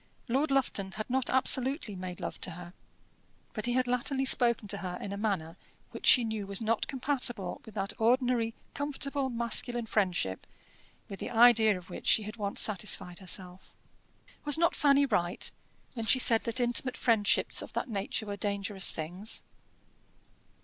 Lord Lufton had not absolutely made love to her, but he had latterly spoken to her in a manner which she knew was not compatible with that ordinary comfortable masculine friendship with the idea of which she had once satisfied herself. Was not Fanny right when she said that intimate friendships of that nature were dangerous things?